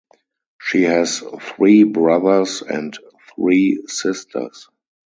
She has three brothers and three sisters.